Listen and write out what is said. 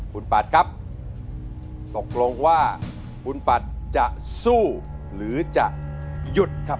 คุณปัดครับตกลงว่าคุณปัดจะสู้หรือจะหยุดครับ